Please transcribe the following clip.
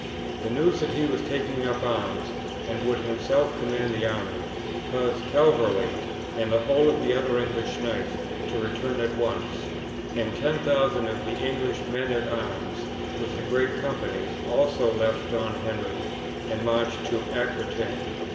The news that he was taking up arms and would himself command the army caused Calverley and the whole of the other English knights to return at once, and 10,000 of the English men at arms with the great companies also left Don Henry and marched to Aquitaine.